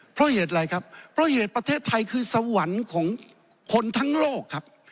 เพราะเหตุอะไรครับเพราะเหตุประเทศไทยคือสวรรค์ของคนทั้งโลกครับ